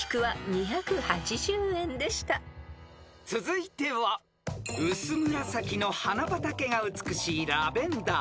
［続いては薄紫の花畑が美しいラベンダー］